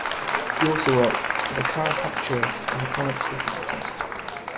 He also worked as a caricaturist and comic strip artist.